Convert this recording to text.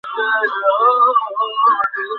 কেবল তোর জন্যে ওর জীবন ভিক্ষা দিয়েছি।